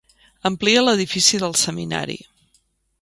Amplia l'edifici del seminari.